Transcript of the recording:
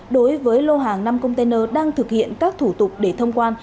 đối với lô hàng năm container đang thực hiện các thủ tục để thông quan